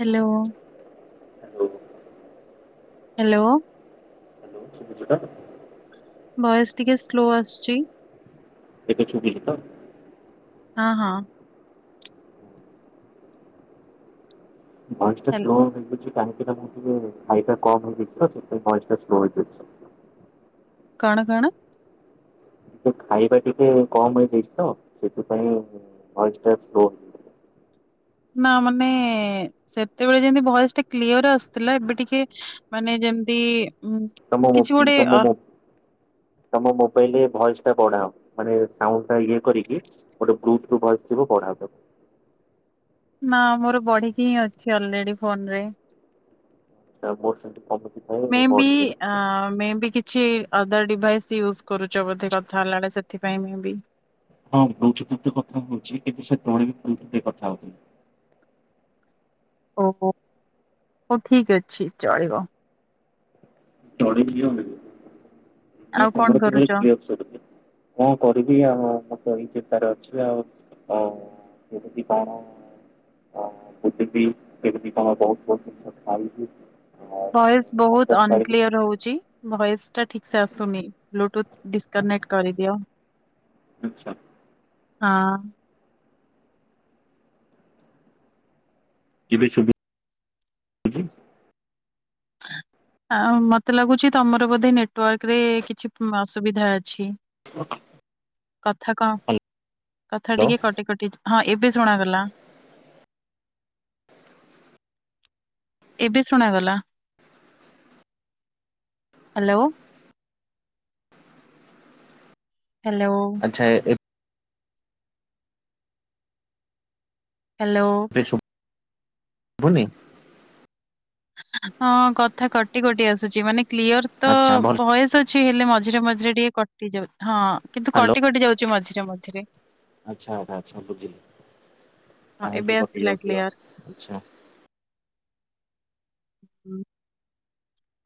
Hello hello. Hello. Hello, ଶୁଭୁଚି ତ? Voice ଟିକେ ସ୍ଲୋ ଆସୁଚି। ଏବେ ଶୁଭିଚି ତ? ହଁ ହଁ। ଭଏସ୍ ଟା ହ୍ୟାଲ ସ୍ଲୋ [unintelligible] [unintelligible] ଟା କମ୍ ରହିଯାଇଛି ତ ସେଇଥିପାଇଁ ଭଏସ୍ ଟା ସ୍ଲୋ ହେଇଯାଇଚି। କଣ କଣ? ଟିକେ ଖାଇବା ଟିକେ କମ୍ ହେଇଯାଇଚି ତ ସେଥିପାଇଁ ଭଏସ୍ ଟା ସ୍ଲୋ ହେଇଯାଇଛି। ନା ମାନେ ସେତେବେଳେ ଯେନ୍ତି ଭଏସ୍ ଟା କ୍ଲିଅର ଆସୁଥିଲା ଏବେ ଟିକେ ମାନେ ଯେମତି ତମ [unintelligible] ତମ ମୁଁ ତମ ମୋବାଇଲ ରେ ଭଏସ୍ ଟା ବଢାଅ ମାନେ ସାଉଣ୍ଡ ଟା ଇଏ କରିକି ଗୋଟେ ଗ୍ରୁପ୍ ଟୁ ଭଏସ୍ ଥିବ ବଢାଅ ତାକୁ। ନା ମୋର ବଢିକି ହିଁ ଅଛି ଅଲରେଡି ଫୋନ ରେ। [unintelligible] ମେବି ବଢିଲେ ଆଁ ମେବି କି ଛି ଅଦର୍ ଡିଭାଇସ୍ ୟୁଜ୍ କରୁଚ ବୋଧେ କଥା ହେଲାବେଳେ ସେଥିପାଇଁ ମେବି। ହଁ ବ୍ଲୁଟୁଥ [unintelligible] କଥା ହଉଛି କିନ୍ତୁ ସେତେବେଳେ ବି ବ୍ଲୁଟୁଥ ଦେଇ କଥା ହଉଥିଲି। ଓହ ହଉ ଠିକ୍ ଅଛି ଚଳିବ। [unintelligible] ତମର ତ ଆଉ କଣ ଭାଇ କରୁଛ କ୍ଲିୟର ସୁରୁନି। କଣ କରିବି ଆଉ ମୁଁତ ଏଇଁ ଚିନ୍ତାରେ ଅଛି ଆଉ ଆଉ କେମିତି କଣ [inaudible] ଭଏସ ବହୁତ ମଟନ୍ ଖାଇବି। ଅନକ୍ଲିୟର ହଉଛି। ଭଏସ ଟା ଠିକ ସେ ଆସୁନି ବ୍ଲୁଟୁଥ ଡିସକନେକ୍ଟ କରିଦିଅ। ଆଚ୍ଛା। ହଁ। କିନେ ସବୁ [unintelligible] ଆଉ ମତେ ଲାଗୁଛି ତମର ବୋଧେ ନେଟୱାର୍କରେ କିଛି ଅସୁବିଧା ଅଛି। କଥା କଣ କଥା ହ୍ୟାଲୋ ଟିକେ କଟି କଟି ହଁ ଏବେ ଶୁଣାଗଲା। ଏବେ ଶୁଣାଗଲା ହ୍ୟାଲୋ। ହ୍ୟାଲୋ। [unintelligible] ହ୍ୟାଲୋ। ଶୁ ଭୁନି। ହଁ କଥା କଟି କଟି ଆସୁଛି ମାନେ କ୍ଲିୟର ତ ଆଚ୍ଛା ଭଲ ଭୟସ ଅ ଛି ହେଲେ ମଝିରେ ମଝିରେ ଟିକେ କଟି ଯାଉଛି ହଁ କିନ୍ତୁ ହ୍ୟାଲୋ କଟି କଟି ଯାଉଛି ମଝିରେ ମଝିରେ। ଆଚ୍ଛା ଆଛା ବୁଝିଲି ହଁ ଏବେ କାହିଁକି କଟି ଆସିଲା ଯାଉଛି କ୍ଲିୟର ଆଉ ଆଛା।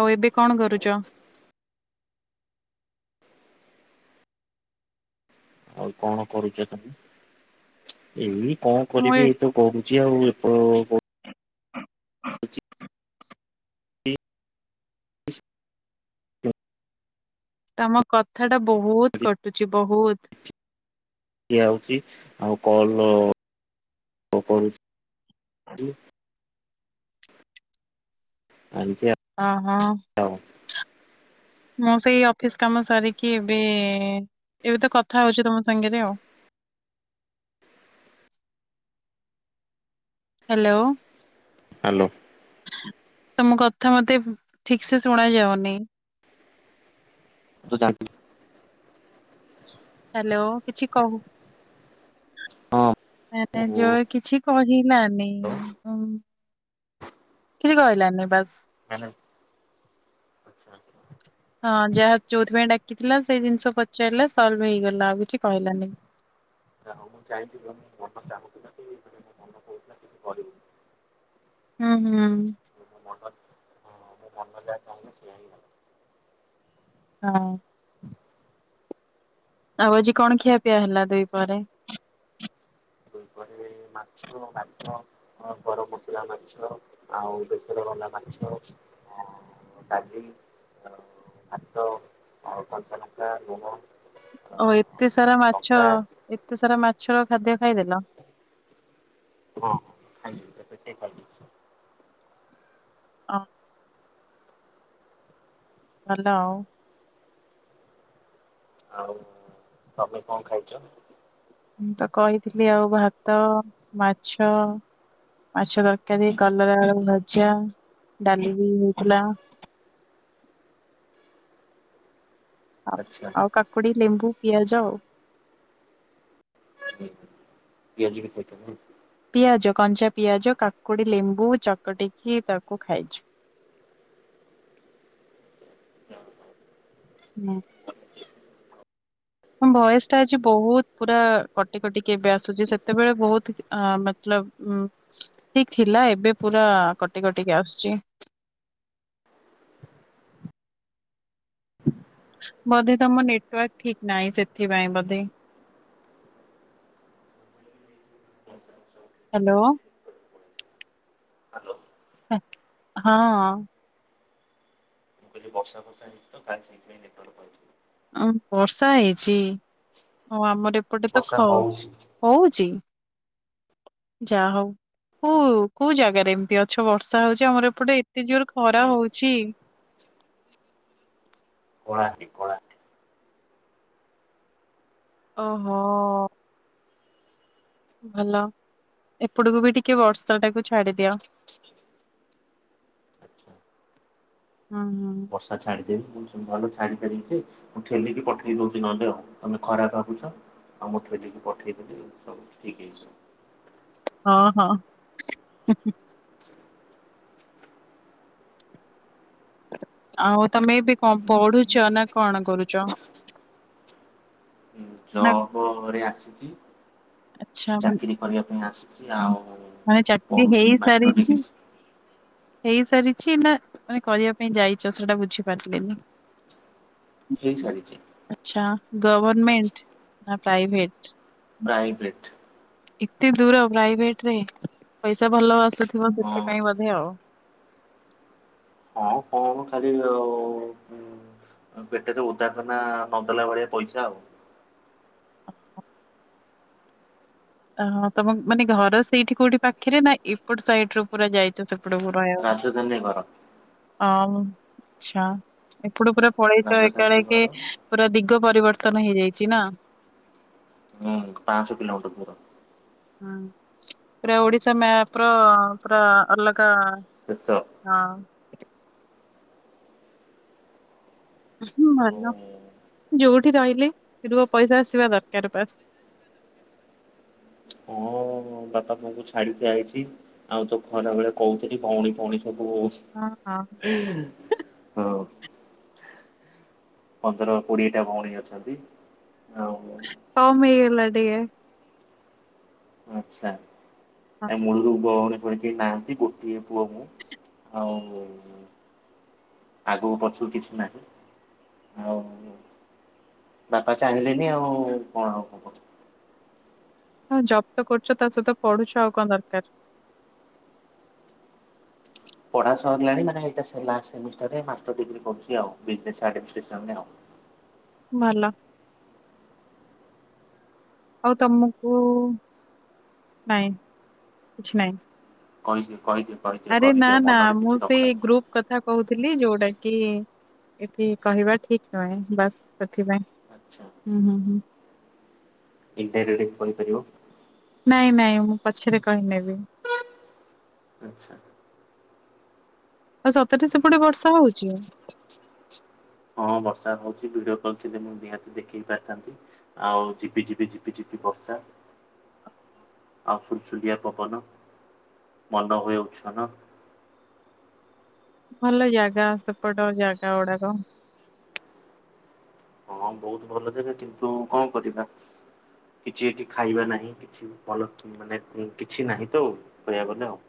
ଆଉ ଏବେ କଣ କରୁଛ? ଆଉ କଣ କରୁଛ ତମେ ଏଇ କଣ ମୁଁ ଏ କରିବି ଏଇତ କହୁଛି ଆଉ ପ ପ ହ [unintelligible] ତମ କଥା ଟା ବହୁତ କଟୁଛି ବହୁତ ଖୀଆ ହଉଛି ଆଉ କଲ ହୋଉ କରୁ ଚି। [unintelligible] ଅଁ ହଁ। ଆଉ। ମୁଁ ସେଇ ଅଫିସ କାମ ସାରିକି ଏବେ ଏବେ ତ କଥା ହଉଛି ତମ ସାଙ୍ଗରେ ଆଉ। ହ୍ୟାଲୋ। ହ୍ୟାଲୋ। ତମ କଥା ମତେ ଠିକ ସେ ଶୁଣା ଯାଉନି। ମୁଁ ତ। [unintelligible] ହ୍ୟାଲୋ କିଛି କହୁ ହଁ ଓ ମାନେ ଜୋର କିଛି କହିଲାନିଁ କିଛି କହିଲାନି ବାସ। ହାଲେ ଆଚ୍ଛା। ହଁ ଯାହା ଯୋଉଥିପାଇଁ ଡାକିଥିଲା ସେଇ ଜିନିଷ ପଚାରିଲା ସଲଭ ହେଇଗଲା ଆଉ କିଛି କହିଲାନି। ଆରେ ହଁ ମୁଁ ଚାହିଁଥିଲି ମୁଁ ମନ ଚାହୁଁଛି ନା କି ଏଇପଟେ ମୁଁ ମନ କହୁଥିଲା କିଛି କରିବି। ହୁଁ ହୁଁ। [inaudible] ହଁ ମୋ ମନ ଯାହା ଚାହିଁଲା ସେଇୟା ହିଁ ହେଲା। ହଁ। [unintelligible] ଆଉ ଆଜି କଣ ଖିଆ ପିଆ ହେଲା ଦୁଇ ପହରେ? ଦୁଇ ପହରେ ମାଛ ଭାତ ହଁ ଗରମ ମସଲା ମାଛ ଆଉ ବେସର ବାଲା ମାଛ ଡାଲି ଭାତ କଞ୍ଚାଲଙ୍କା ଲୁଣ। ଓ ଏତେ ସାରା ମାଛ ଲଙ୍କା ଏତେ ସାରା ମାଛର ଖାଦ୍ୟ ଖାଇଦେଲ? ହଁ ହଁ ଖାଇଲି ପେଟେ ଖାଇଛି। ହଁ। ଭଲ ଆଉ। ଆଉ ତମେ କଣ ଖାଇଛ? ମୁଁ ତ କହିଥିଲି ଆଉ ଭାତ ମାଛ ମାଛ ତରକାରୀ କଲରା ଭଜା ଡାଲି ବି ହେଇଥିଲା। ହଉ ଆଚ୍ଛା। ଆଉ କାକୁଡି ଲେମ୍ବୁ ପିଆଜ ଆଉ। ପିଆଜି ବି ଖାଇଥିଲ। ପିଆଜ କଞ୍ଚା ପିଆଜ କାକୁଡି ଲେମ୍ବୁ ଚକଟିକି ତାକୁ ଖାଇଛି। ହୁଁ। ହଁ ଭୟସ ଟା ଆଜି ବହୁତ ପୁରା କଟି କଟିକି ଏବେ ଆସୁଛି ସେତେବେଳେ ବହୁତ ମତଲବ ଉ ଠିକ ଥିଲା ଏବେ ପୁରା କଟି କଟିକି ଆସୁଛି। ବୋଧେ ତମ ନେଟୱାର୍କ ଠିକ ନାହିଁ ସେଥିପାଇଁ ବୋଧେ। [unintelligible] ହ୍ୟାଲୋ। ହ୍ୟାଲୋ। ହା ହଁ। ଯ ବର୍ଷା ବର୍ଷା ହେଇଛି ତ କା ସେଇଥିପାଇଁ ନେଟୱାର୍କ ପଳଉଛି। ଆ ବର୍ଷା ହେଇଛି ଓ ଆମର ଏପଟେ ତ ବର୍ଷା ଖ ହଉଛି ହଉଛି ଯାହା ହଉ। କୁ କୋଉ ଜାଗାରେ ଏମିତି ଅଛ ବର୍ଷା ହଉଛି ଆମର ଏପଟେ ଏତେ ଜୋରେ ଖରା ହଉଛି? କଳାହାଣ୍ଡି। ଓହୋ। ଭଲ ଏପଟକୁ ବି ଟିକେ ବର୍ଷଟାକୁ ଛାଡିଦିଅ। ଆଚ୍ଛା ହଁ ହଁ। ବର୍ଷା ଛାଡ଼ିଦେବି ମୁଁ ଛାଡ଼ିଦେବି ଯେ ମୁଁ ଠେଲିକି ପଠେଇ ଦଉଛି ନହେଲେ ଆଉ ତମେ ଖରାପ ଭାବୁଛ। ଆଉ ମଠରେ ଯକି ପଠେଇଦେଲି ସବୁ ଠିକ୍ ହେଇଯିବ। ହଁ ହଁ। ଆ୍ା [unintelligible] ଆଉ ତମେ ବି କଣ ପଢୁଛ ନା କଣ କରୁଛ? ନା ଯବ୍ ରେ ଆସିଛି। ଆଚ୍ଛା ମାନେ ଚାକିରି କରିବା ପାଇଁ ଆସିଛି ଆଉ ମାନେ ଚାକିରି ପଢୁଛି ମାଷ୍ଟର ହେଇସାରିଛି ଡିଗ୍ରୀ। ହେଇସାରିଛି ନା ମାନେ କରିବା ପାଇଁ ଯାଇଛ ସେଟା ବୁଝିପାରିଲିନି? ହେଇ ସାରିଛି। ଆଚ୍ଛା ଗଭର୍ମେଣ୍ଟ ନା ପ୍ରାଇଭେଟ? ପ୍ରାଇଭେଟ୍। ଏତେ ଦୂର ପ୍ରାଇଭେଟ ରେ ପଇସା ଭଲ ଆସୁଥିବ ହଁ ସେଥିପାଇଁ ବୋଧେ ଆଉ। ହଁ କଣ ଖାଲି ଆ ପେଟରେ ଓଦା କନା ଦେଲା ଭଳିଆ ପଇସା ଆଉ। ଓହଁ ତମ ମାନେ ଘର ସେଇଠି କୋଉଠି ପାଖରେ ନା ଏପଟ ସାଇଡ ରୁ ପୁରା ଯାଇଛ ସେ? ଏ ପ ରାଜଧାନୀ ଘର ଆ ଆଛା ଏପ ପୁର [unintelligible] ପଲେଇଚ ରାଜଧାନୀ ଏକାଳ କେ ଘର ପୁରା ଦିଗ ପରିବର୍ତ୍ତନ ହେଇଯାଇଛି ନା। ହୁଁ ପାଆଁସଶହ କିଲୋମିଟର ଧୁର। ପୁରା ଓଡିଶା ମାପ ର ପୁରା ଅଲଗା ଦେଶ। ହଁ। ହଁ ଭଲ ଯୋଉଠି ରହିଲି ସେଠ ପଇସା ଆସିବା ଦରକାର ବାସ୍। ହଁ। [unintelligible] ବାପା ବୋଉ ଙ୍କୁ ଛାଡିକି ଆଇଛି ଆଉ ତ ଖରାବେଳେ କହୁଥିଲି ଭଉଣୀ ଭଉଣୀ ସବୁ ହଁ ହଁ। ହଉ। ପନ୍ଦର କୋଡିଏଟା ଭଉଣୀ ଅଛନ୍ତି ଆଉ। କମ୍ ହେଇଗଲା ଟିକେ। ଆଛା ଆ ମୁଳୁରୁ ଭଉଣୀ ପୌଉଣି କେହି ନାହାନ୍ତି। କଏ ପୁଅ ମୁଁ ଆଉ। ଆଗକୁ ପଛକୁ କିଛି ନାହିଁ ଆଉ। ବାପା ଚାହିଁଲେନି ଆଉ କଣ ହଉ କ ହଁ ଜବ୍ ତ କରୁଛ ତା ସହିତ ପଢୁଛ ଆଉ କଣ ଦରକାର। ପଢ଼ା ସିଲାଣି ମାନେ ଏଇଟା ଲାସ ସେମିଷ୍ଟର ମାରଡିଗ୍ରୀ କରୁଛି ଆଉ ବିଜିନେଶେ ଆଡିମିଷ୍ଟନ ଆଉ। ଭଲ। ଆଉ ତମକୁ ନାଇଁ କିଛି ନାଇଁ। କହିଦିଏ କହିଦିଏ କହିଦିଅ ଆରେ ନା କହିଦିଅ ନା ମନରେ ମୁଁ କିଛି ସେଇ ରଖନି। ଗ୍ରୁପ କଥା କହୁଥିଲି ଯୋଉଟା କି ଏଠି କହିବା ଠିକ ନୁହେଁ ବାସ୍ ସେଥିପାଇଁ ଆଚ୍ଛା ହୁଁ ହୁଁ ହୁଁ। ଇଣ୍ଡରେଟେ ଫୋନ କରିବ। ନାଇଁ ନାଇଁ ମୁଁ ପଛରେ କହିନେବି। ଆଛା। ଆଉ ସତରରେ ସେପଟେ ବର୍ଷ ହଉଛି। ହଁ ବର୍ଷା ହଉଛି ଭିଡିଓ କଲ ନିହାତି ଦେଖେଇ ପାରିଥାନ୍ତି। ଆଉ ଯିପିଝିପି ଯିପିିପି ବର୍ଷା। ଆଉ ସୁଲସୁଲିଆ ପବନ ମନ ହୁଏ ଉଛନ। ଭଲ ଜାଗା ସେପଟ ଜାଗା ଗୁଡାକ। ହଁ ବହୁତ ଭଲ ଜାଗା କିନ୍ତୁ କଣ କରିବା। କିଛି ଏଠି ଖାଇବା ନାହିଁ କିଛି ଭଲ ମାନେ କିଛି ନାହିଁ ତ କହିବା ଗଲେ ଆଉ।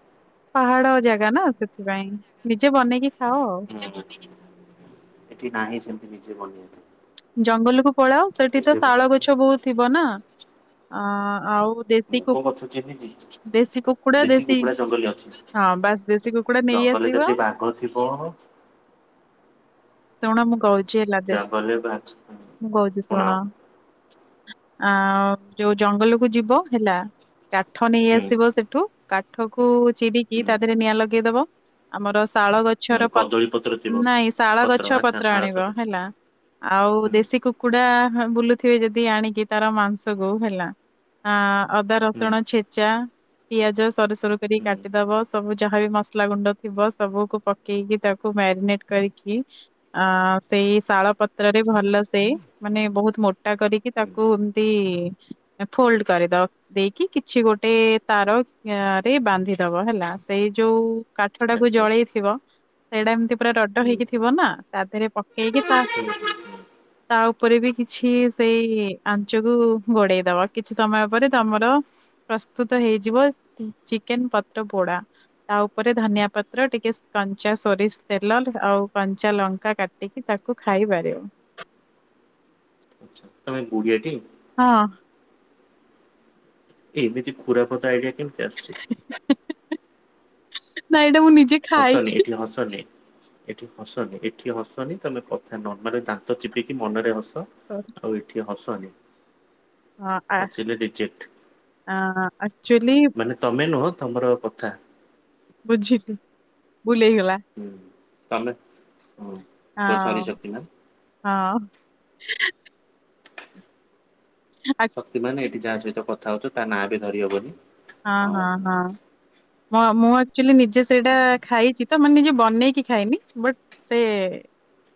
ପାହାଡ ଜାଗା ନା ସେଥିପାଇଁ ନିଜେ ବନେଇକି ଖାଅ। ହୁଁ ଏଠି ନାହିଁ ସେମତି ନିଜେ ବନେଇ ପାଇଁ। ଜଙ୍ଗଲକୁୁ ପଳାଉ ସେଠି ତ ନିଜେ ଶାଳ ବନେଇଥିଲେ ଗଛ ବହୁତ ଥିବ ନା। ଅ ଆଉ ଦେସି କୁ ମୁଗ ଗଛ ଚିହ୍ନିଚି ଦେସି କୁକୁଡ଼ା ଦେଶୀ ଦେସି କୁକୁଡ଼ା ଜଙ୍ଗଲରେ ଅଛି। ହଁ ବାସ ଦେଶୀ କୁକୁଡା ନେଇ ଜଙ୍ଗଲରେ ଆସିବ ଯଦି ବାଘ ଥିବ ଶୁଣ ମୁଁ କହୁଛି ହେଲା ଦେ ବଲେ ବାଜ୍। ମୁଁ କହୁଛି ଶୁଣ ଆ ଯୋଉ ଜଙ୍ଗଲକୁୁ ଯିବ ହେଲା କାଠ ନେଇ ହୁଁ ଆସିବ ସେଠୁ କାଠକୁ ଚିଡିକି ହୁଁ ତା ଦେହରେ ନିଆଁ ଲଗେଇଦବ। ଆମର ଶାଳ ହୁଁ ଗଛର ପ କଦଳୀ ପତ୍ର ଥିବ ନାଇଁ ଶାଳ ଗଛ ଆଚ୍ଛା ପତ୍ର ଶାଳ ଆଣିବ ପତ୍ର ହେଲା। ଆଉ ହୁଁ ଦେଶୀ କୁକୁଡା ବୁଲୁଥିବେ ଯଦି ଆଣିକି ତାର ମାଂସକୁ ହେଲା ହ ଅଦା ହୁଁ ରସୁଣ ଛେଚା ପିଆଜ ସରୁ ସରୁ କର ହୁଁ କାଟିଦବ। ସବୁ ଯାହାବି ମସଲା ଗୁଣ୍ଡ ଥିବ ସବୁକୁ ପକେଇକି ତାକୁ ମ୍ୟାରିନେଟ କରିକି ସେଇ ଶାଳ ପ ତ୍ରରେ ଭଲ ସେ ମାନେ ବହୁତ ମୋଟା କରିକି ହୁଁ ତାକୁ ଏମିତି ଫୋଲଡ କରିଦ ଦେଇକି କିଛି ଗୋଟେ ତାରରେ ବାନ୍ଧି ଦବ ହେଲା। ସେଇ ଯୋଉ କାଠ ଟାକୁ ଆଚ୍ଛା ହୁଁ ଜଳେଇ ଥିବ ସେଇଟା ଏମିତି ପୁରା ରଡ ହୁଁ ହେଇକି ଥିବ ନା ତା ଦେହରେ ପକେଇକି ତା ହୁଁ ତା ଉପରେ ବି କିଛି ସେଇ ଆଞ୍ଚକୁ ଗୋଡେଇ ଦବ। କିଛି ସମୟ ପରେ ତମର ପ୍ରସ୍ତୁତ ହେଇଯିବ ଚିକେନ ପତ୍ର ପୋଡା। ତା ଉପରେ ଧନିଆ ପତ୍ର ଟିକେ କଞ୍ଚା ସୋରିଷ ତେଲ ଆଉ କଞ୍ଚା ଲଙ୍କା କାଟି ଟିକି ତାକୁ ଖାଇ ପାରିବ। ଆଛା ତମ କୋଡିଏଟି ହଁ। ଏ ଏମିତି ଖରାପଦ ଆଇଡିଆ କେମିତି ଆସିଛି? ନାଇ ଏଇଟା ମୁଁ ନିଜେ ହସନି ଖାଇଛି। ଏଠି ହସନି। ଏଠି ହସନି ଏଠି ହସନି ତମେ କଥା ନର୍ମ ଦାନ୍ତ ଚିପିକି ମନରେ ହସ। ହ। ଆଉ ଏଠି ହସନି। ହଁ ଆ ହସିଲେ ରିଜେକ୍ଟ ଆକ୍ଚୁଲି ମାନେ ତମେ ନୁହଁ ତମର କଥା ବୁଝିଲି ବୁଲେଇଗଲା। ହୁଁ ତମେ ଓ ସରି ହଁ ଶକ୍ତିମାନ ହଁ। ଆ- ଶକ୍ତି ମାନ ଏଇଠି ଯାହା ସହିତ କଥା ହଉ ତା ନାଁ ବି ଧରିହବନି। ହଁ ହଁ ହଁ। ମୁଁ ଆଚୁଆଲି ନିଜେ ସେଇଟା ଖାଇଛି ତ ମାନେ ନିଜେ ବନେଇକି ଖାଇନି। ବଟ ସେ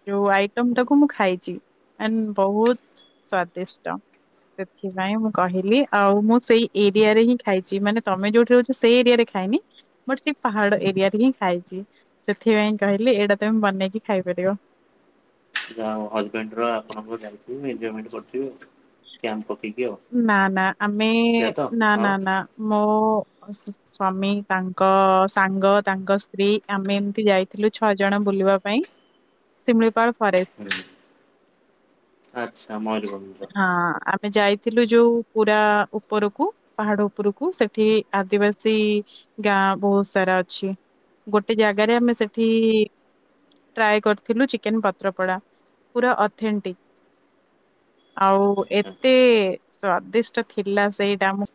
ଯୋଉ ଆଇଟମ ଉଁ, ଟାକୁ ମୁଁ ଖାଇଛି ଆ ବହୁତ ସ୍ଵାଦିଷ୍ଟ। ସେଥିପାଇଁ ମୁଁ କହିଲି ଆଉ ମୁଁ ସେଇ ଏରିଆରେ ହିଁ ଖାଇଛି ମାନେ ତମେ ଯୋଉଠି ରହୁଛ ସେଇ ଏରିଆରେ ଖାଇନି। ମୋର ସେ ପାହାଡ ଏରିଆରେ ହିଁ ଖାଇଛି ସେଥିପାଇଁ କହିଲି ଏଇଟା ତମେ ବନେଇକି ଖାଇପାରିବ। ଯ ହଜବେଣ୍ଡ ର ଆପଣଙ୍କ ଯାଇ [unintelligible] କ୍ୟାମ୍ପ ପକେଇକି ଆଉ। ନା ନା ଆମେ ସେଇଆ ତ ନା ଆଉ ନା ନା ମୋ ସ୍ଵାମୀ ତାଙ୍କ ସାଙ୍ଗ ତାଙ୍କ ସ୍ତ୍ରୀ ଆମେ ଏମିତି ଯାଇଥିଲୁ ଛଅ ଜଣ ବୁଲିବା ପାଇଁ। ଶିମିଳିପାଳ ଫରେଷ୍ଟ। ହୁଁ। ଆଚ୍ଛା ମୟୂରଭଞ୍ଜ। ହଁ ଆମେ ଯାଇ ଥିଲୁ ଯୋଉ ପୁରା ଉପରକୁ ପାହାଡ ଉପରକୁ ସେଠି ଆଦିବାସୀ। ଗାଁ ବହୁତ ସାରା ଅଛି ଗୋଟେ ଜାଗାରେ ଆମେ ସେଠି। ଟ୍ରାଏ କରିଥିଲୁ ଚିକେନ ପତ୍ରପଡ଼ା ପୁରା ଅଥେଣ୍ଟିକ। ଆଉ ଆଚ୍ଛା ଏତେ ସ୍ଵାଦିଷ୍ଟ ଥିଲା ସେଇଟା ମୁ